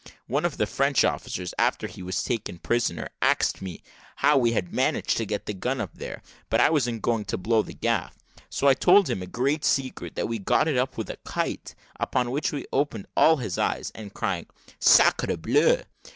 One of the French officers, after he was taken prisoner, axed me how we had managed to get the gun up there but I wasn't going to blow the gaff, so I told him as a great secret, that we got it up with a kite; upon which he opened all his eyes, and crying `_Sacre bleu_!'